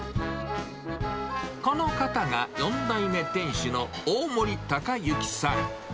この方が４代目店主の大森たかゆきさん。